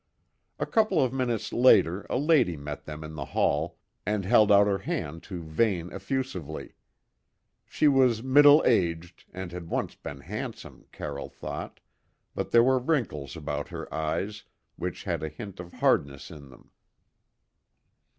A couple of minutes later a lady met them in the hall, and held out her hand to Vane effusively. She was middle aged, and had once been handsome, Carroll thought, but there were wrinkles about her eyes, which had a hint of hardness in them.